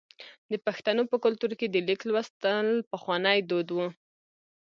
د پښتنو په کلتور کې د لیک لوستل پخوانی دود و.